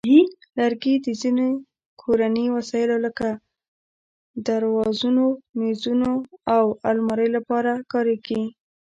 لرګي د ځینو کورني وسایلو لکه درازونو، مېزونو، او المارۍ لپاره کارېږي.